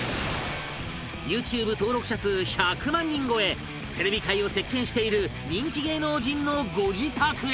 ＹｏｕＴｕｂｅ 登録者数１００万人超えテレビ界を席巻している人気芸能人のご自宅へ